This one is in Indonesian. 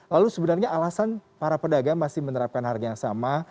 lalu sebenarnya alasan para pedagang masih menerapkan harga yang sama